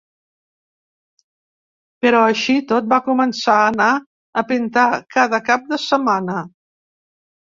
Però així i tot va començar a anar a pintar cada cap de setmana.